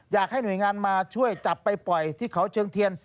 อยากให้หน่วยงานมาช่วยจับไปปล่อยที่เขาเชิงเทียน